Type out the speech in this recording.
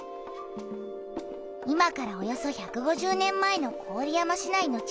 今からおよそ１５０年前の郡山市内の地図だよ。